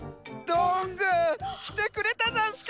どんぐーきてくれたざんすか！